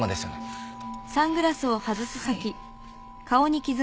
はい。